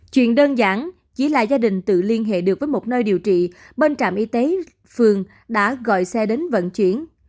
chuyện đơn giản chỉ là gia đình tự liên hệ được với một nơi điều trị bên trạm y tế phường đã gọi xe đến vận chuyển